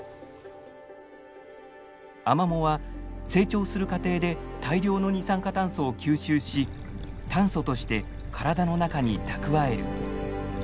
アマモは成長する過程で大量の二酸化炭素を吸収し炭素としてからだの中に蓄える。